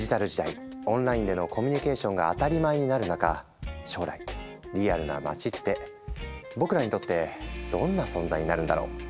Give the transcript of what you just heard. オンラインでのコミュニケーションが当たり前になる中将来リアルな街って僕らにとってどんな存在になるんだろう。